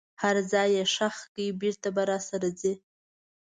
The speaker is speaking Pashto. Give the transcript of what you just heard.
هر ځای یې ښخ کړئ بیرته به سره راځي.